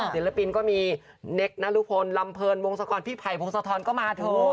ศิลปินก็มีเน็กซ์นารุพลลำเพลินวงศาคอนพี่ไผ่วงศาธรก็มาถูก